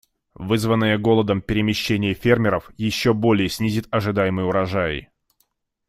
Вызванное голодом перемещение фермеров еще более снизит ожидаемый урожай.